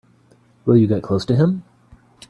Will you get close to him?